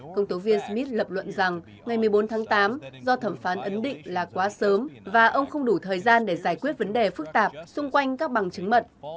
công tố viên smith lập luận rằng ngày một mươi bốn tháng tám do thẩm phán ấn định là quá sớm và ông không đủ thời gian để giải quyết vấn đề phức tạp xung quanh các bằng chứng mận